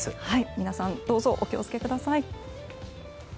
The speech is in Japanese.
皆さんどうぞ、お気を付けください。